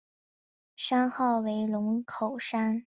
山号为龙口山。